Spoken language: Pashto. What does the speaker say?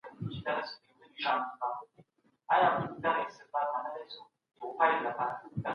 تاسي باید په ژوند کي د الله د حدودو ساتنه وکړئ.